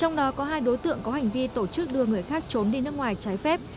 trong đó có hai đối tượng có hành vi tổ chức đưa người khác trốn đi nước ngoài trái phép